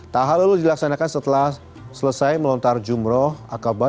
tahallul dilaksanakan setelah selesai melontar jumroh akabah